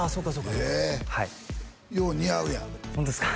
そうですはいよう似合うやんホントですか？